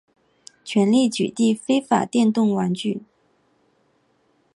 全力取缔非法电动玩具